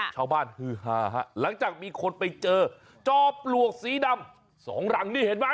ฮือฮาฮะหลังจากมีคนไปเจอจอมปลวกสีดำสองหลังนี่เห็นไหม